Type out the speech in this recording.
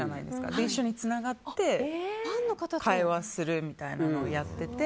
それで一緒につながって会話するみたいなのをやってて。